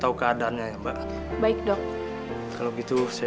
ayo deh ngomong yang sebenarnya aja deh